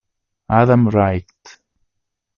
Adam Wright